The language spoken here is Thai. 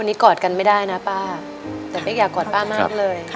อันนี้กอดกันไม่ได้นะป้าแต่เป๊กอยากกอดป้ามากเลย